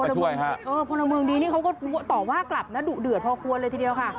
สมัสตรงเธอเขาตอบว่ากลับดุเดือดพอควรเลยทีเดียวค่ะ